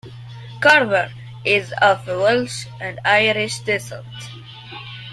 Carver is of Welsh and Irish descent.